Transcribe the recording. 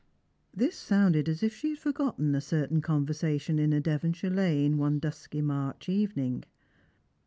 This sounded as if she had forgotten a certain conversation in a Devonshire lane one dusky March evening.